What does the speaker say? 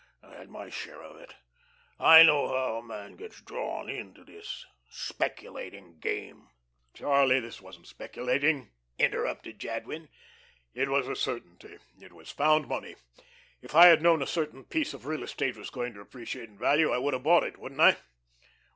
I had my share of it. I know how a man gets drawn into this speculating game." "Charlie, this wasn't speculating," interrupted Jadwin. "It was a certainty. It was found money. If I had known a certain piece of real estate was going to appreciate in value I would have bought it, wouldn't I?"